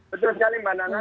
betul sekali mbak nana